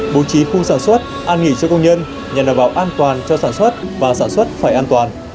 bố trí khu sản xuất an nghỉ cho công nhân nhằm đảm bảo an toàn cho sản xuất và sản xuất phải an toàn